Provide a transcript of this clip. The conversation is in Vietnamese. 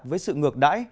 với sự ngược đãi